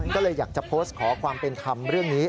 ก็เลยอยากจะโพสต์ขอความเป็นธรรมเรื่องนี้